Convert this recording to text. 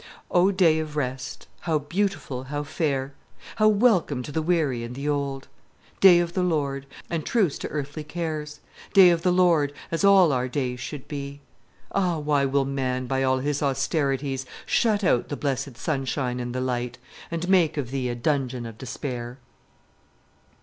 "O day of rest! How beautiful, how fair, How welcome to the weary and the old! Day of the Lord! and truce to earthly cares! Day of the Lord, as all our days should be! Ah, why will man by his austerities Shut out the blessed sunshine and the light, And make of thee a dungeon of despair!"